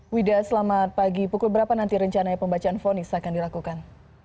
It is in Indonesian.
wida selamat pagi pukul berapa nanti rencana pembacaan fonis akan dilakukan